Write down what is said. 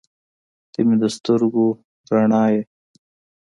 • ته مې د سترګو رڼا یې.